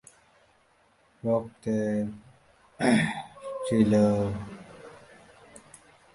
রক্তের ব্যাপারটিও ছিল অনুরূপ।